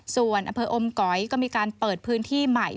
ส่วนอำเภออมก๋อยก็มีการเปิดพื้นที่ใหม่